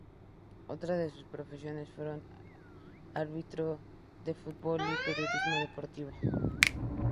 Otras de sus profesiones fueron Árbitro de Fútbol y Periodismo deportivo.